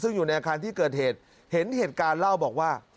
ซึ่งอยู่ในอาคารที่เกิดเหตุเห็นเหตุการณ์เล่าบอกว่า